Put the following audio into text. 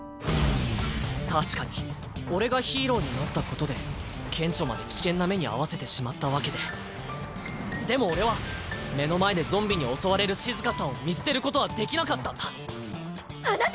確かに俺がヒーローになったことでケンチョまで危険な目に遭わせてしまったわけででも俺は目の前でゾンビに襲われるシズカさんを見捨てることはできなかったんだあなた